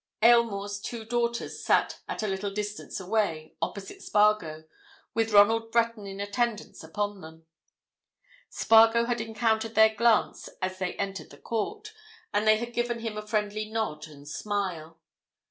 Aylmore's two daughters sat at a little distance away, opposite Spargo, with Ronald Breton in attendance upon them; Spargo had encountered their glance as they entered the court, and they had given him a friendly nod and smile.